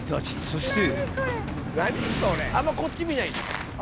そして］